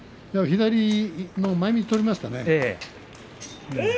左の前みつを取りましたね。